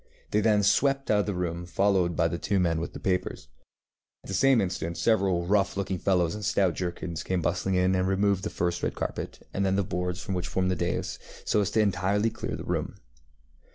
They then swept out of the room, followed by the two men with the papers. At the same instant several rough looking fellows in stout jerkins came bustling in and removed first the red carpet, and then the boards which formed the dais, so as to entirely clear the room.